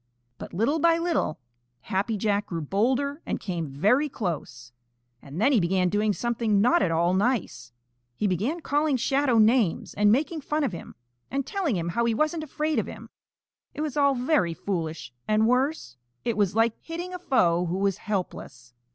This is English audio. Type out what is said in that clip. But little by little Happy Jack grew bolder and came very close. And then he began doing something not at all nice. He began calling Shadow names and making fun of him, and telling him how he wasn't afraid of him. It was all very foolish and worse it was like hitting a foe who was helpless.